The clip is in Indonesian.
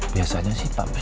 biasanya sih pak bos